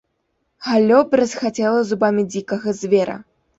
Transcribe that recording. Галлё бразгацела зубамі дзікага звера.